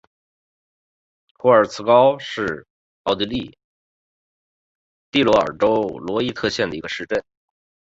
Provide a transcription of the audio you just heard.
霍尔茨高是奥地利蒂罗尔州罗伊特县的一个市镇。